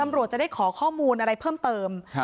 ตำรวจจะได้ขอข้อมูลอะไรเพิ่มเติมครับ